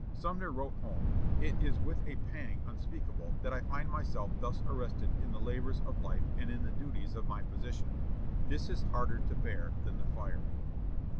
Sumner wrote home: "It is with a pang unspeakable that I find myself thus arrested in the labors of life and in the duties of my position. This is harder to bear than the fire."